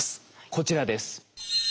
こちらです。